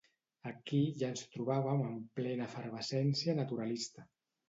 Aquí ja ens trobàvem en plena efervescència naturalista.